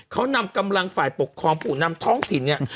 เขานำกำลังฝ่ายปกครองผู้นำท้องถิ่นเนี่ย